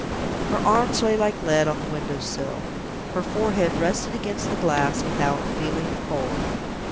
Her arms lay like lead on the window sill; her forehead rested against the glass without feeling the cold.